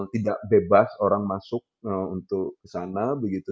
tidak bebas orang masuk untuk ke sana begitu